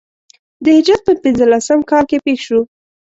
د هجرت په پنځه لسم کال کې پېښ شو.